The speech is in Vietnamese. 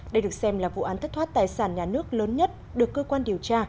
đây được xem là vụ án thất thoát tài sản nhà nước lớn nhất được cơ quan điều tra